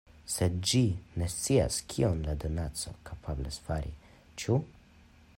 Sed ĝi ne scias, kion la donaco kapablas fari, ĉu?